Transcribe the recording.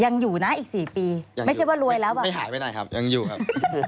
ยังอยู่นะอีก๔ปีไม่หายไปไหนแบบ